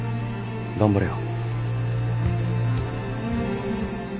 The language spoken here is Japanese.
頑張れよ。